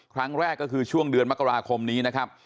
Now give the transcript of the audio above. ครั้งแรกก็คือช่วงเดือนมกราคมนี้นะครับ